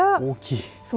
大きい。